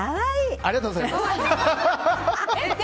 ありがとうございます！